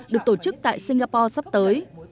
được tổ chức tại singapore sắp tới